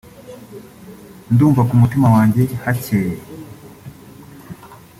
“Ndumva ku mutima wanjye hakeye